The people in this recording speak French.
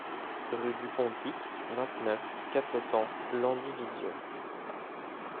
Rue du Pontic, vingt-neuf, quatre cents Landivisiau